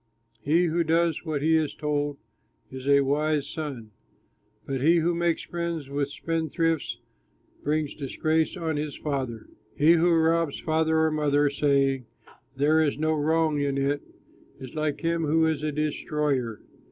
He who does what he is told is a wise son. But he who makes friends of spendthrifts, Brings disgrace on his father. He who robs father or mother, Saying, "There is no wrong in it," Is like him who is a destroyer.